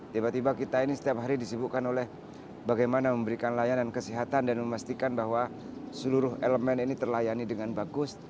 tiba tiba kita ini setiap hari disibukkan oleh bagaimana memberikan layanan kesehatan dan memastikan bahwa seluruh elemen ini terlayani dengan bagus